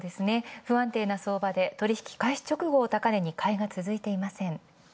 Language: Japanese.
不安定な相場で取引開始直後の高値に買いが続いていません。